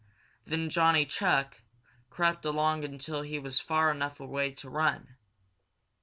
Then Johnny Chuck crept along until he was far enough away to run.